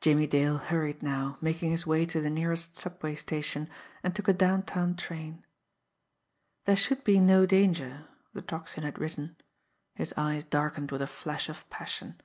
Jimmie Dale hurried now, making his way to the nearest subway station, and took a downtown train. "There should be no danger," the Tocsin had written. His eyes darkened with a flash of passion.